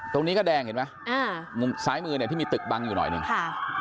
ตรงนี้ก็แดงเห็นไหมอ่ามุมซ้ายมือเนี่ยที่มีตึกบังอยู่หน่อยหนึ่งค่ะ